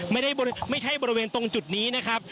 ไม่ใช่บริเวณตรงจุดนี้นะครับ